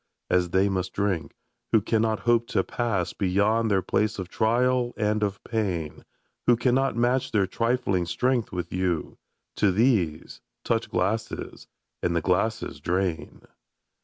As they must drink, who cannot hope to pass Beyond their place of trial and of pain. Who cannot match their trifling strength with you; To these, touch glasses — ^and the glasses drain